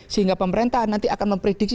sehingga pemerintah nanti akan memprediksi